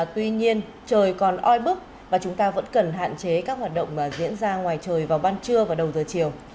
tuy nhiên trời còn oi bức và chúng ta vẫn cần hạn chế các hoạt động diễn ra ngoài trời vào ban trưa và đầu giờ chiều